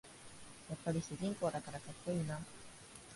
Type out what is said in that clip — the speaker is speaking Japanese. やっぱり主人公だからかっこいいな